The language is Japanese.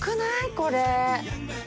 これ。